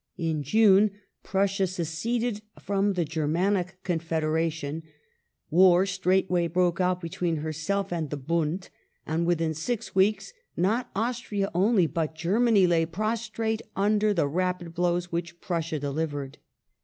In June Prussia seceded from the Grermanic Confederation ; war straightway broke out between her self and the " Bund," and within six weeks not Austria only but Germany lay prostrate under the rapid blows which Prussia de livered.